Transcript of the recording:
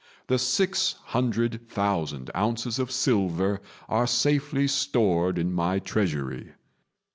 The six hundred thousand ounces of silver are safely stored in my treasury.